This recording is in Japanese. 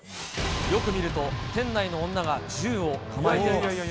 よく見ると、店内の女が銃を構えています。